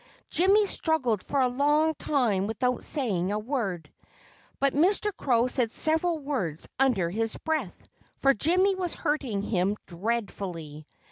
Jimmy struggled for a long time without saying a word. But Mr. Crow said several words under his breath, for Jimmy was hurting him dreadfully.